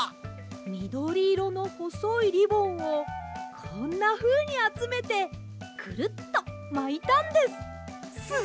みどりいろのほそいリボンをこんなふうにあつめてクルッとまいたんです。